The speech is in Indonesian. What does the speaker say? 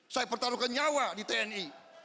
saya bertaruh ke nyawa di tni